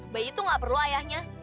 bayi itu gak perlu ayahnya